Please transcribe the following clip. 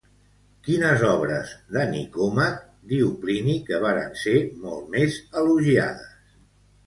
Quines obres de Nicòmac diu Plini que varen ser molt més elogiades?